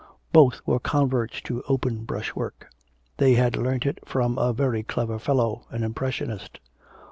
Both were converts to open brush work. They had learnt it from a very clever fellow, an impressionist.